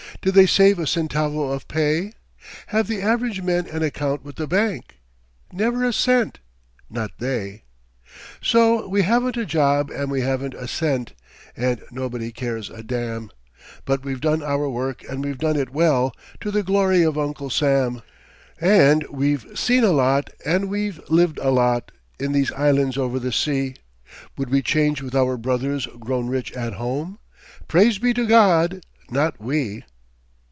Did they save a centavo of pay? Have the average men an account with the bank? Never a cent not they. So we haven't a job and we haven't a cent, And nobody cares a damn; But we've done our work and we've done it well, To the glory of Uncle Sam, And we've seen a lot, and we've lived a lot In these islands over the sea Would we change with our brothers grown rich at home? Praise be to God not we.